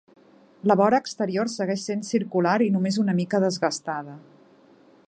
La vora exterior segueix sent circular i només una mica desgastada.